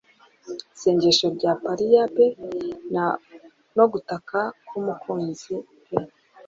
Isengesho rya pariya pe no gutaka k'umukunzi pe -